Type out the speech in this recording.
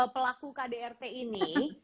pelaku kdrt ini